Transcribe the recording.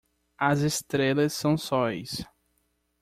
As estrelas são sóis.